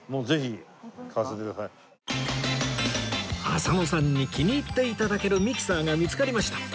浅野さんに気に入って頂けるミキサーが見つかりました